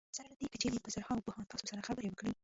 سره له دې که چېرې په زرهاوو پوهان تاسو سره خبرې وکړي.